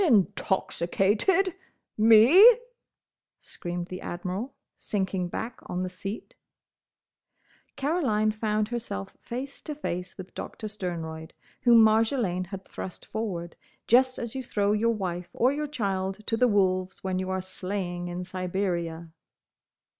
"Intoxicated!—Me!" screamed the Admiral, sinking back on the seat. Caroline found herself face to face with Doctor Sternroyd, whom Marjolaine had thrust forward, just as you throw your wife or your child to the wolves when you are sleighing in Siberia.